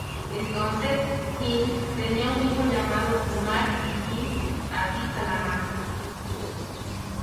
Entonces, Hind tenía un hijo llamado Umar ibn Abi Salama.